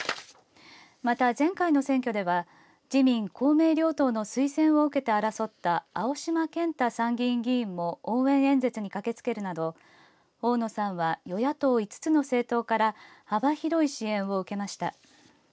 また前回の選挙では自民公明両党の推薦を受けて争った青島健太参議院議員も応援演説に駆けつけるなど大野さんは与野党５つの政党から幅広い支援を受けました。